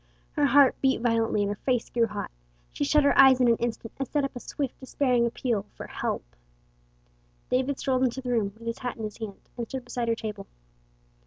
Her heart beat violently, and her face grew hot. She shut her eyes an instant, and sent up a swift, despairing appeal for help. David strolled into the room with his hat in his hand, and stood beside her table.